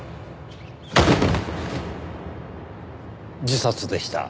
自殺でした。